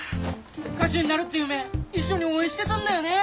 歌手になるっていう夢一緒に応援してたんだよね？